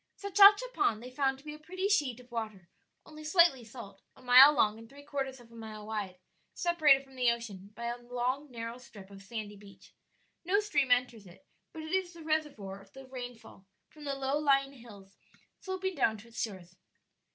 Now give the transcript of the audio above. Sachacha Pond they found to be a pretty sheet of water only slightly salt, a mile long and three quarters of a mile wide, separated from the ocean by a long narrow strip of sandy beach. No stream enters it, but it is the reservoir of the rainfall from the low lying hills sloping down to its shores.